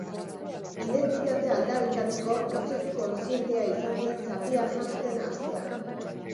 Identitatea aldarrikatzeko prozesu konzientea izan zen zapia janzten haztea.